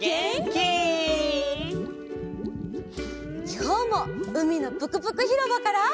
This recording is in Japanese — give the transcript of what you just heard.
きょうもうみのぷくぷくひろばから。